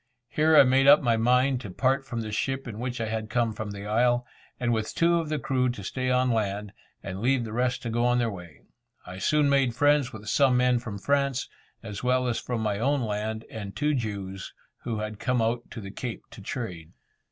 Here I made up my mind to part from the ship in which I had come from the Isle, and with two of the crew to stay on land, and leave the rest to go on their way. I soon made friends with some men from France, as well as from my own land, and two Jews, who had come out to the Cape to trade.